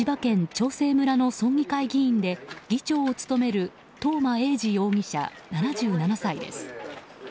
長生村の村議会議員で議長を務める東間永次容疑者、７７歳です。